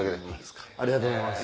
ありがとうございます。